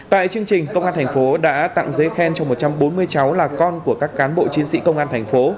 tại chương trình công an tp đã tặng giấy khen cho một trăm bốn mươi cháu là con của các cán bộ chiến sĩ công an tp